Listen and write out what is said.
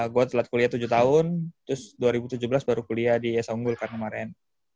gua telat kuliah tujuh tahun terus dua ribu tujuh belas baru kuliah di s anggul karena kemarin